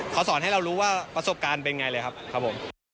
เขาสอนให้เรารู้ว่าประสบการณ์เป็นอย่างไรเลยครับ